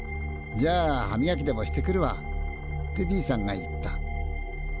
じゃあ歯みがきでもしてくるわ」ってＢさんが言った。